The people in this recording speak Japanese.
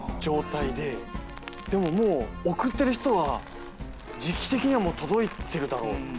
でも送ってる人は時期的にはもう届いてるだろう。